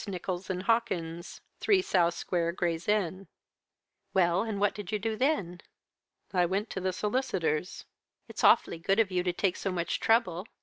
Nicholls & Hawkins, 3, South Square, Gray's Inn." "Well, and what did you do then?" "I went to the solicitors." "It is awfully good of you to take so much trouble.